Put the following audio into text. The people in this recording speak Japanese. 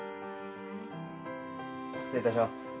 失礼いたします。